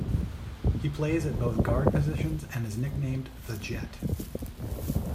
He plays at both guard positions and is nicknamed "The Jet".